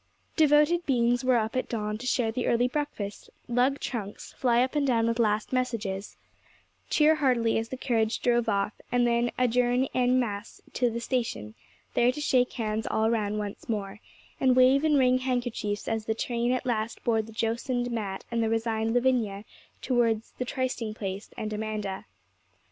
Devoted beings were up at dawn to share the early breakfast, lug trunks, fly up and down with last messages, cheer heartily as the carriage drove off, and then adjourn en masse to the station, there to shake hands all round once more, and wave and wring handkerchiefs as the train at last bore the jocund Mat and the resigned Lavinia toward the trysting place and Amanda.